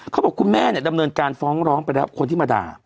คุณแม่เนี่ยดำเนินการฟ้องร้องไปแล้วคนที่มาด่า